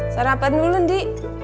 sarapan dulu andi